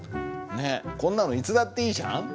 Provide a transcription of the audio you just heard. こんなのいつだっていいじゃん。